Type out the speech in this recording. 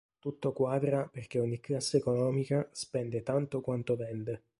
Tutto quadra perché ogni classe economica spende tanto quanto vende.